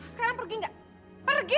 sekarang pergi gak pergi